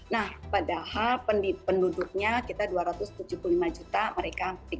nah padahal penduduknya kita dua ratus tujuh puluh lima juta mereka